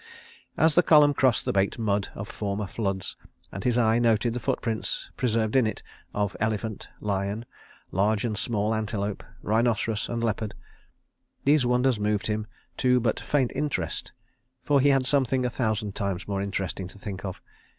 As the column crossed the baked mud of former floods, and his eye noted the foot prints, preserved in it, of elephant, lion, large and small antelope, rhinoceros and leopard, these wonders moved him to but faint interest, for he had something a thousand times more interesting to think of.